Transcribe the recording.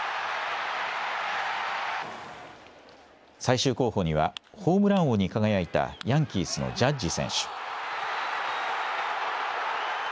最終候補には、ホームラン王に輝いた、ヤンキースのジャッジ選手。